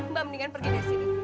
mbak mendingan pergi dari sini